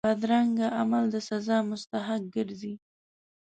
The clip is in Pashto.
بدرنګه عمل د سزا مستحق ګرځي